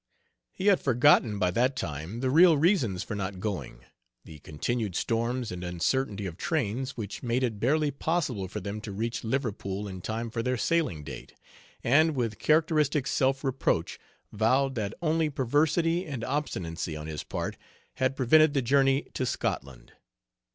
He had forgotten by that time the real reasons for not going the continued storms and uncertainty of trains (which made it barely possible for them to reach Liverpool in time for their sailing date), and with characteristic self reproach vowed that only perversity and obstinacy on his part had prevented the journey to Scotland.